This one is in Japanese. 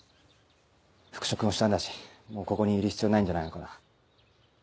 復職もしたんだしもうここにいる必要ないんじゃないのかな。